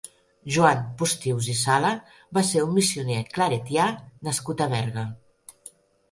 Joan Postius i Sala va ser un missioner claretià nascut a Berga.